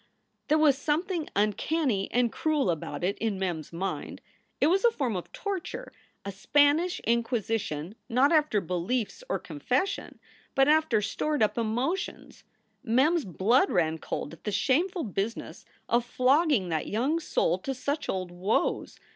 There was something uncanny and cruel about it in Mem s mind. It was a form of torture, a Spanish Inquisition not after beliefs or confessions, but after stored up emotions. Mem s blood ran cold at the shameful business of flogging that young soul to such old woes.